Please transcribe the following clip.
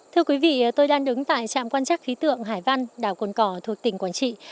thưa quý vị tôi đang đứng tại trạm quan trắc khí tượng hải văn đảo cồn cỏ thuộc tỉnh quảng trị